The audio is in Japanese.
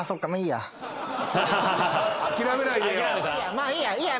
まあいいやいいや。